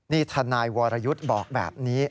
นี่ทนายวรยุทธ์บอกแบบนี้